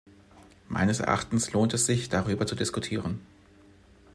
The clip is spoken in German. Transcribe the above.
Meines Erachtens lohnt es sich, darüber zu diskutieren.